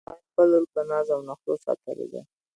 هغې خپله لور په ناز او نخروساتلی ده